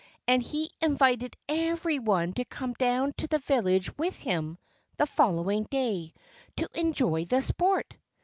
And he invited everyone to come down to the village with him the following day, to enjoy the sport.